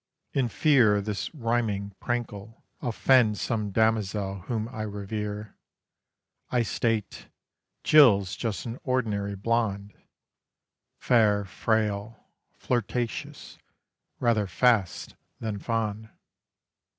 In fear this rhyming prank'll Offend some damozel whom I revere, I state: Jill's just an ordinary blonde, Fair, frail, flirtatious, rather fast than fond.